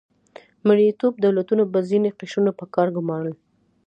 مرئیتوب دولتونو به ځینې قشرونه په کار ګمارل.